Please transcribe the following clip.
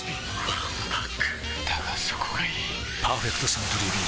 わんぱくだがそこがいい「パーフェクトサントリービール糖質ゼロ」